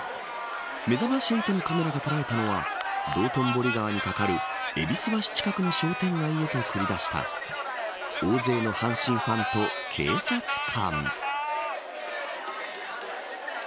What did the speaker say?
めざまし８のカメラが捉えたのは道頓堀川にかかる戎橋近くの商店街へと繰り出した大勢の阪神ファンと警察官。